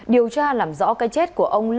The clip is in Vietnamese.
điều tra làm rõ cái chết của ông lâm văn